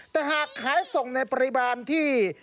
แต่หากขายส่งในปริมาณที่